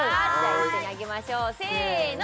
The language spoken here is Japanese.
一緒にあげましょうせの！